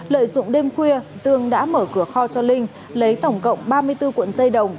lợi dụng đêm khuya dương đã mở cửa kho cho linh lấy tổng cộng ba mươi bốn cuộn dây đồng